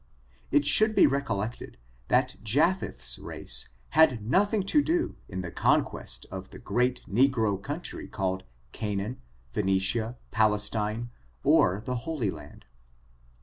It should be recollected that JaphetKs race had nothing to do in the conquest of the great negro country called Canaan, PhcBuicia, Palestine, oi the Holy Land.